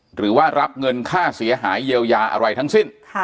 หรือว่ารับเงินค่าเสียหายเยียวยาอะไรทั้งสิ้น